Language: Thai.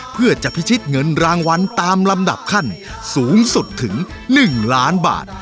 เพื่อจะพิชิตเงินรางวัลตามลำดับขั้นสูงสุดถึง๑ล้านบาท